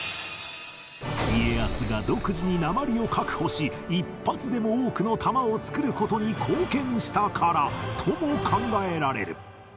家康が独自に鉛を確保し一発でも多くの弾をつくる事に貢献したからとも考えられる